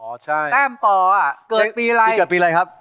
เอ้อใช่แต้มต่ออ่ะเกิดปีอะไรครับ